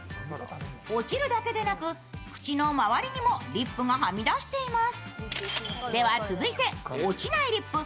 落ちるだけでなく口の周りにもリップがはみ出しています。